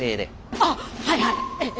あっはいはいええ。